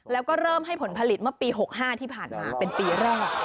แล้วก็เริ่มให้ผลผลิตเมื่อปี๖๕ที่ผ่านมาเป็นปีแรก